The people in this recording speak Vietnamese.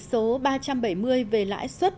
số ba trăm bảy mươi về lãi suất